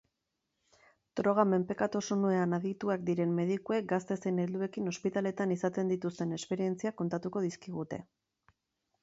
Droga-menpekotasunean adituak diren medikuek gazte zein helduekin ospitaleetan izaten dituzten esperientziak kontatuko dizkigute.